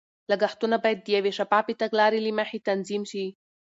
لګښتونه باید د یوې شفافې تګلارې له مخې تنظیم شي.